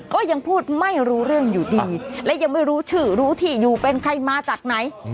ก็ยังพูดไม่รู้เรื่องอยู่ดีและยังไม่รู้ชื่อรู้ที่อยู่เป็นใครมาจากไหน